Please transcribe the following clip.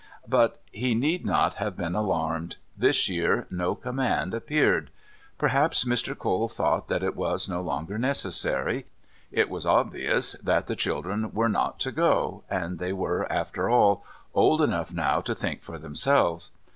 But he need not have been alarmed. This year no command appeared. Perhaps Mr. Cole thought that it was no longer necessary; it was obvious that the children were not to go, and they were, after all, old enough now to think for themselves.